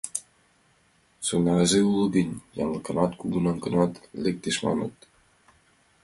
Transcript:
Сонарзе уло гын, янлыкат кунам-гынат лектеш, маныт.